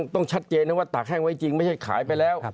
ต้องชัดเจนนะว่าตากแห้งไว้จริงไม่ใช่ขายไปแล้ว